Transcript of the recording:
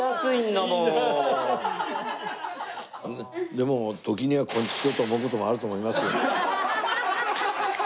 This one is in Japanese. でも時にはこんちきしょう！と思う事もあると思いますよ。